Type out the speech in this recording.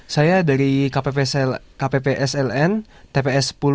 saya dari kppsln tps sepuluh